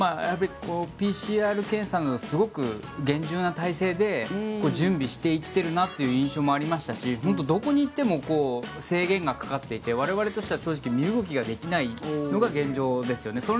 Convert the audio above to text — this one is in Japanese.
ＰＣＲ検査などすごく厳重な体制で準備していっているなという印象もありましたし本当、どこに行っても制限がかかっていて我々としては正直身動きができないのが現状ですよね。